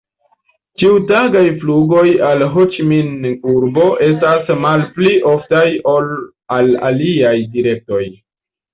Ĉiutagaj flugoj al Ho-Ĉi-Min-urbo estas malpli oftaj ol al aliaj direktoj.